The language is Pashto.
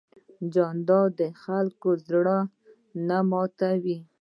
جانداد د خلکو زړه نه ماتوي.